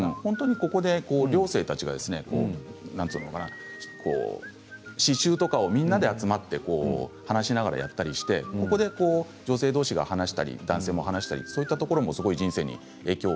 ここで寮生たちがなんて言うのかな刺しゅうをみんなで集まって話しながらやったりしてここで女性どうしで話したり男性も話したりそういったところも人生に影響が。